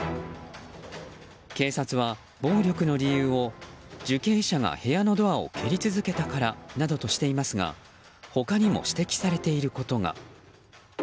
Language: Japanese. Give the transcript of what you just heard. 警察は、暴力の理由を受刑者が部屋のドアを蹴り続けたからなどとしていますが他にも指摘されていることが。